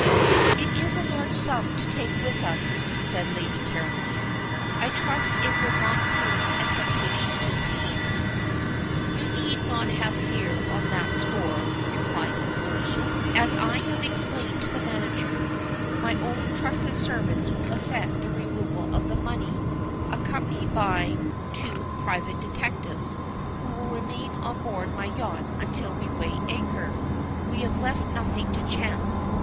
"It is a large sum to take with us," said Lady Caroline. "I trust it will not prove a temptation to thieves!" "You need have no fear on that score," replied his lordship. "As I have explained to the manager, my own trusted servants will effect the removal of the money, accompanied by two private detectives, who will remain on board my yacht until we weigh anchor. We have left nothing to chance.